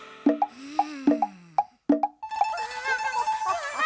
うん。